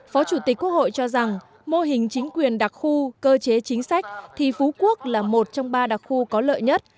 hội cho rằng mô hình chính quyền đặc khu cơ chế chính sách thì phú quốc là một trong ba đặc khu có lợi nhất